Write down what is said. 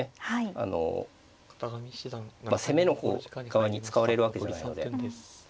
あの攻めの方側に使われるわけじゃないので。